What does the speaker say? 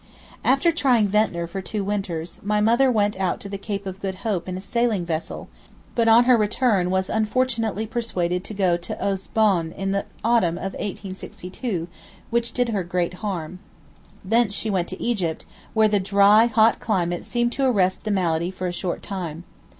After trying Ventnor for two winters, my mother went out to the Cape of Good Hope in a sailing vessel, but on her return was unfortunately persuaded to go to Eaux Bonnes in the autumn of 1862, which did her great harm. Thence she went to Egypt, where the dry hot climate seemed to arrest the malady for a short time.